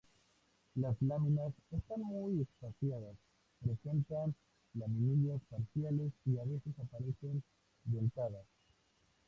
Las láminas, están muy espaciadas, presentan laminillas parciales y a veces aparecen dentadas.